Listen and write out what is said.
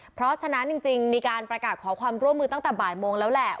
เพราะฉะนั้นจริงมีการประกาศขอความร่วมมือตั้งแต่บ่ายโมงแล้วแหละ